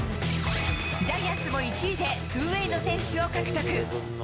ジャイアンツも１位でツーウェイの選手を獲得。